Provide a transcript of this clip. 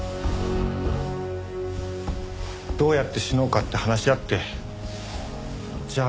どうやって死のうかって話し合ってじゃあ